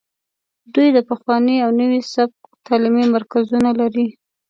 دوی د پخواني او نوي سبک تعلیمي مرکزونه لري